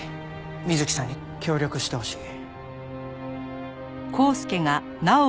水木さんに協力してほしい。